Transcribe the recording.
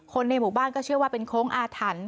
ในหมู่บ้านก็เชื่อว่าเป็นโค้งอาถรรพ์